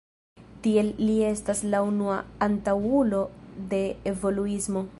Tiel li estas la unua antaŭulo de evoluismo.